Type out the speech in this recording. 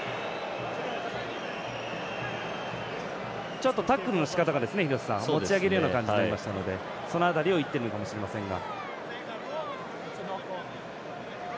ちょっとタックルのしかたが持ち上げるような形になりましたのでその辺りを言ってるのかもしれませんが。